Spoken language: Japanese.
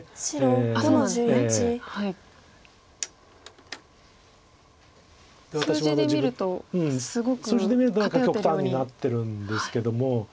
数字で見ると極端になってるんですけども。